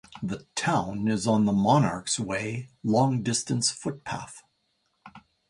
The town is on the Monarch's Way long-distance footpath.